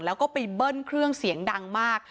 แล้วก็ไปเบิ้ลเครื่องเสียงดังมาก